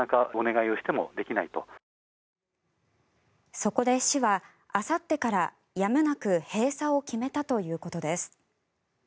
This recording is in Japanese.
そこで市はあさってからやむなく閉鎖を決めたということです。